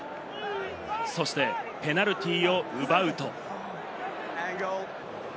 そしてペナルティーを奪うと。